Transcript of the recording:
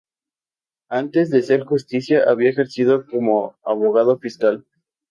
Antes de ser Justicia había ejercido como abogado fiscal.